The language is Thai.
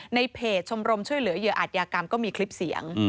ในเพจชมรมช่วยเหลือเหยื่ออาจยากรรมก็มีคลิปเสียง